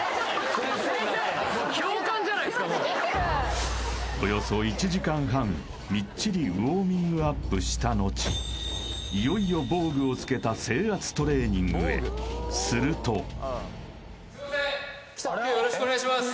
先生もうすいませんおよそ１時間半みっちりウォーミングアップしたのちいよいよ防具をつけた制圧トレーニングへすると今日はよろしくお願いします